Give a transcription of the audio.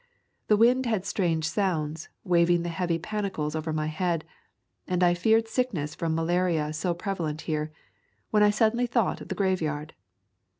The wind had strange sounds, waving the heavy panicles over my head, and I feared sickness from ma laria so prevalent here, when I suddenly thought of the graveyard.